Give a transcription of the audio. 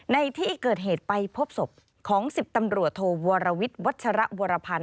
ในที่เกิดเหตุไปพบศพของ๑๐ตำรวจโทวรวิทย์วัชระวรพันธ